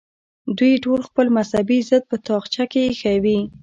دوی خپل ټول مذهبي ضد په تاخچه کې ایښی وي.